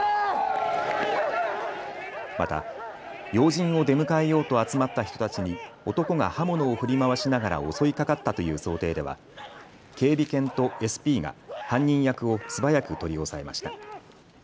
また要人を出迎えようと集まった人たちに男が刃物を振り回しながら襲いかかったという想定では警備犬とＳＰが犯人役を素早く取り押さえました。